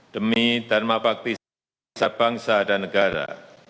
demi dharma bakti saya kepada bangsa dan negara